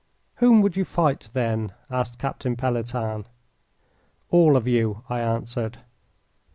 "Whom would you fight, then?" asked Captain Pelletan. "All of you," I answered.